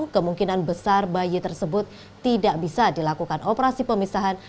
kemungkinan besar bayi tersebut tidak bisa dilakukan operasi pemisahan